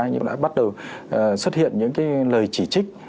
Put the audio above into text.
nhưng đã bắt đầu xuất hiện những cái lời chỉ trích